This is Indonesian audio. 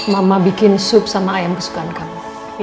mama bikin sup sama ayam kesukaan kamu